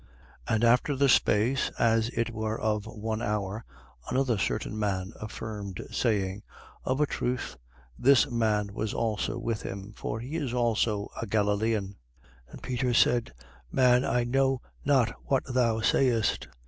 And after the space, as it were of one hour, another certain man affirmed, saying: Of a truth, this man was also with him: for he is also a Galilean. 22:60. And Peter said: Man, I know not what thou sayest.